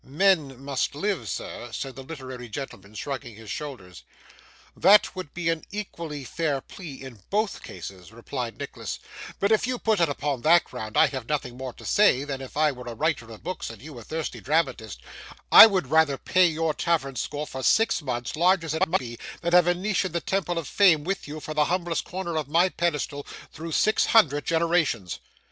'Men must live, sir,' said the literary gentleman, shrugging his shoulders. 'That would be an equally fair plea in both cases,' replied Nicholas; 'but if you put it upon that ground, I have nothing more to say, than, that if I were a writer of books, and you a thirsty dramatist, I would rather pay your tavern score for six months, large as it might be, than have a niche in the Temple of Fame with you for the humblest corner of my pedestal, through six hundred generations.